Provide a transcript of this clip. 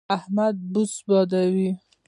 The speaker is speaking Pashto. احمد بوس بادوي.